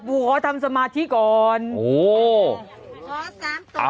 บุ๊คขอทำสมาธิก่อนโอ้โฮขอ๓ตัว